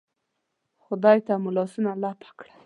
خدای ته مو لاسونه لپه کړل.